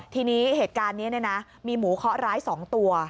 ทีนี้เหตุการณ์นี้มีหมูเคาะร้าย๒ตัว